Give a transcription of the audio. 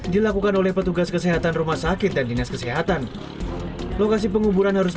dilakukan oleh petugas kesehatan rumah sakit dan dinas kesehatan lokasi penguburan harus